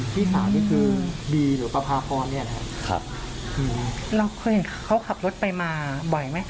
พี่สาวนี่คือบีหรือประพาพรเนี่ยนะครับเราเคยเห็นเขาขับรถไปมาบ่อยไหม